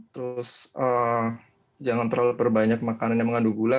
terus jangan terlalu banyak makanan yang mengandung puasa